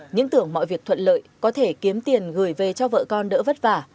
những tưởng mọi việc thuận lợi có thể kiếm tiền gửi về cho vợ con đỡ vất vả